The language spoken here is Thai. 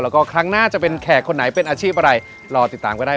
แล้วก็ครั้งหน้าจะเป็นแขกคนไหนเป็นอาชีพอะไรรอติดตามก็ได้